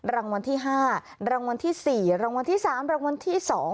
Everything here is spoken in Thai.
รางวัลที่๕รางวัลที่๔รางวัลที่๓รางวัลที่๒